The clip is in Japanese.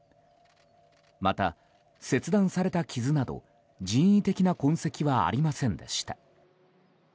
また、切断された傷など人為的な痕跡はありませんでした。